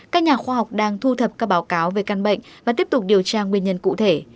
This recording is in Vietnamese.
các nhà khoa học đang thu thập các báo cáo về căn bệnh và tiếp tục điều tra nguyên nhân cụ thể